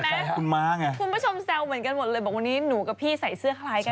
ม้าไงคุณผู้ชมแซวเหมือนกันหมดเลยบอกวันนี้หนูกับพี่ใส่เสื้อคล้ายกัน